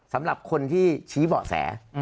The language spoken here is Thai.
สำหรับคนที่ชี้เบาะแส